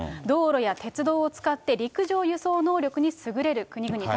道路や鉄道を使って陸上輸送能力に優れる国々。